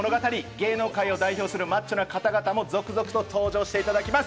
芸能界を代表するマッチョな方々も続々、登場していただきます。